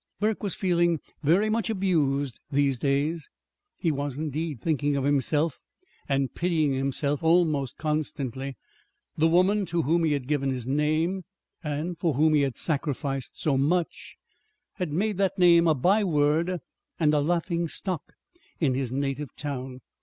Burke was feeling very much abused these days. He was, indeed, thinking of himself and pitying himself almost constantly. The woman to whom he had given his name (and for whom he had sacrificed so much) had made that name a byword and a laughing stock in his native town.